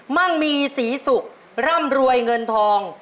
มั่งมีศรีสุขร่ำรวยเงินทอง